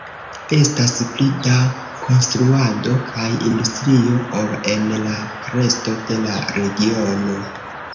Estas pli da konstruado kaj industrio ol en la resto de la regiono.